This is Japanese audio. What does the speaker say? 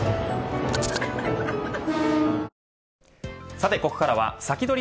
さて、ここからはサキドリ！